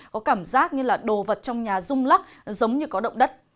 có cảm giác như là đồ vật trong nhà rung lắc giống như có động đất